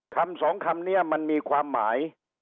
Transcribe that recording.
คำสองคำนี้มันมีความหมาย